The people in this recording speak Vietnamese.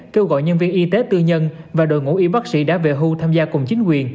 kêu gọi nhân viên y tế tư nhân và đội ngũ y bác sĩ đã về hưu tham gia cùng chính quyền